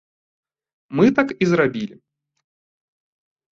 Мы так і зрабілі.